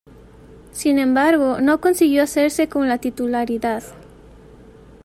Sin embargo no consiguió hacerse con la titularidad.